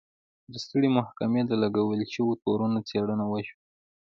پر سترې محکمې د لګول شویو تورونو څېړنه وشوه.